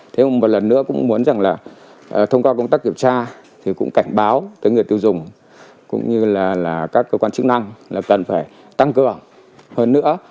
thế một lần nữa cũng muốn rằng là thông qua công tác kiểm tra thì cũng cảnh báo tới người tiêu dùng cũng như là các cơ quan chức năng là cần phải tăng cường hơn nữa